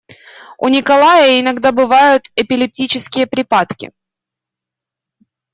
У Николая иногда бывают эпилептические припадки